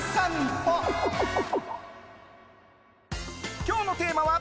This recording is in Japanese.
今日のテーマは。